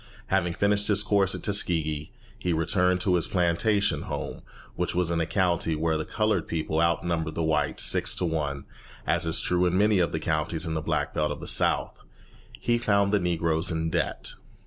Having finished his course at Tuskegee, he returned to his plantation home, which was in a county where the coloured people outnumbered the whites six to one, as is true of many of the counties in the Black Belt of the South. He found the Negroes in debt.